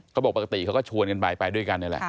เขาบอกปกติเขาก็ชวนกันไปไปด้วยกันเลยแหละ